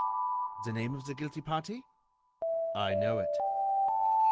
"The name of the guilty party?" "I know it."